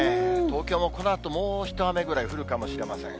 東京もこのあと、もう一雨ぐらい降るかもしれません。